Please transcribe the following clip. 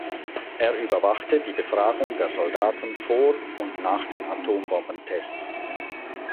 Er überwachte die Befragung der Soldaten vor und nach den Atombombentests.